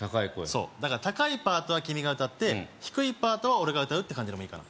そうだから高いパートは君が歌って低いパートは俺が歌うって感じでもいいかな？